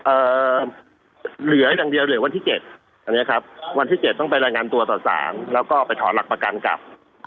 เอ่อเหลืออย่างเดียวเหลือวันที่๗วันที่๗ต้องไปรายงานตัวต่อสารแล้วก็ไปถอดหลักประกันกลับ